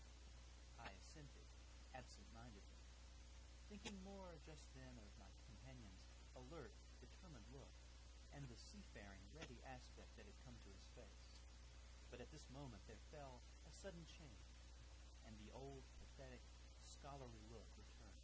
I assented absent mindedly, thinking more just then of my companion's alert, determined look and the seafaring, ready aspect that had come to his face; but at this moment there fell a sudden change, and the old, pathetic, scholarly look returned.